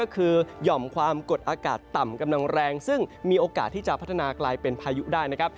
กดอากาศต่ำกำนังแรงซึ่งมีโอกาศที่จะพัฒนากลายเป็นพายุได้นะครับ